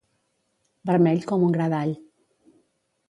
Vermell com un gra d'all.